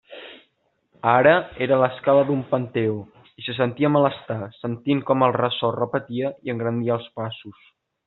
Ara era l'escala d'un panteó i se sentia malestar sentint com el ressò repetia i engrandia els passos.